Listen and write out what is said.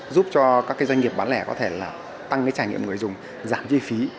giúp cho các doanh nghiệp bán lẻ có thể là tăng cái trải nghiệm người dùng giảm chi phí